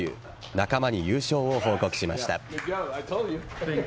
仲間に優勝を報告しました。